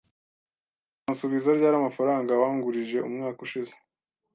Uzansubiza ryari amafaranga wangurije umwaka ushize?